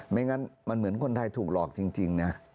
ไม่งั้นมันเหมือนคนไทยถูกหลอกจริงนะ